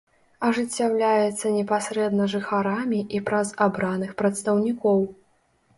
Ажыццяўляецца непасрэдна жыхарамі і праз абраных прадстаўнікоў.